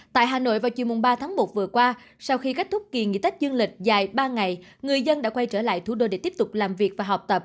tại hà nội vào chiều ba tháng một vừa qua sau khi kết thúc kỳ nghỉ tết dương lịch dài ba ngày người dân đã quay trở lại thủ đô để tiếp tục làm việc và học tập